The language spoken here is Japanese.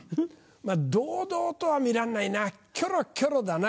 まぁ堂々とは見らんないなキョロキョロだな。